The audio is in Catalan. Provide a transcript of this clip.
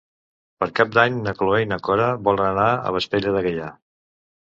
Per Cap d'Any na Cloè i na Cora volen anar a Vespella de Gaià.